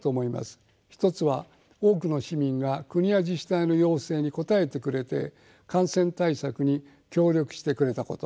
１つは多くの市民が国や自治体の要請に応えてくれて感染対策に協力してくれたこと。